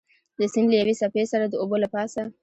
د سیند له یوې څپې سره د اوبو له پاسه.